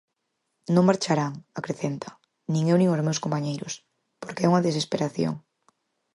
Non marcharán, acrecenta, "nin eu nin os meus compañeiros" porque "é unha desesperación".